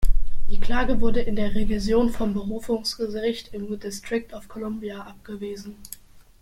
Die Klage wurde in der Revision vom Berufungsgericht im District of Columbia abgewiesen.